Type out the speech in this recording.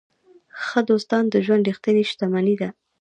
ښه دوستان د ژوند ریښتینې شتمني ده.